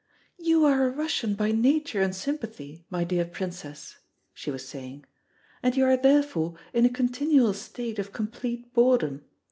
"You are a Russian by nature and sympathy, my dear Princess," she was saying, "and you are therefore in a continual state of complete boredom.